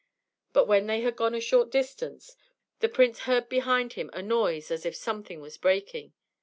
But when they had gone a short distance, the prince heard behind him a noise as if something was breaking.